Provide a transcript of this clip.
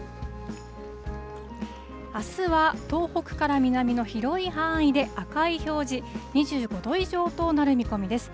あすは東北から南の広い範囲で赤い表示、２５度以上となる見込みです。